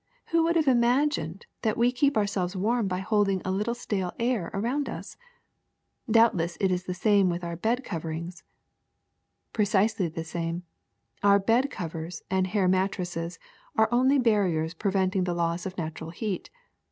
AYho would have imagined that we keep ourselves warm by holding a little stale air around us! Doubtless it is the same with our bed cover ings?" ^^ Precisely the same. Our bed covers and hair mattresses are only barriers preventing the loss of natural heat.